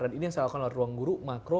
dan ini yang saya lakukan oleh ruangguru makro